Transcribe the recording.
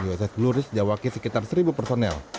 uss blue ridge jawaki sekitar satu personel